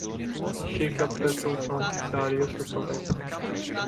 She kept the truth from Darius to protect him.